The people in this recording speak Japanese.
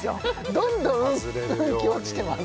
どんどん運気落ちてます